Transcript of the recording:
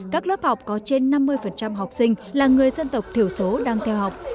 các lớp học có trên năm mươi học sinh là người dân tộc thiểu số đang theo học